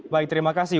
baik terima kasih